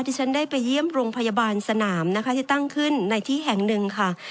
ที่ฉันได้ไปเยี่ยมโรงพยาบาลสนามนะคะที่ตั้งขึ้นในที่แห่งหนึ่งค่ะ